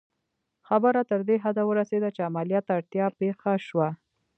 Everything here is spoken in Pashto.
خبره تر دې حده ورسېده چې عملیات ته اړتیا پېښه شوه